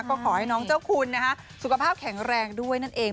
ก็ขอให้น้องเจ้าคุณสุขภาพแข็งแรงด้วยนั่นเอง